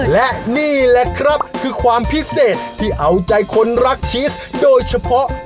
และนี่แหละครับคือความพิเศษที่เอาใจคนรักชีสโดยเฉพาะ